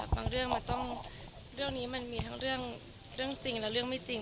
เรื่องมันต้องเรื่องนี้มันมีทั้งเรื่องจริงและเรื่องไม่จริง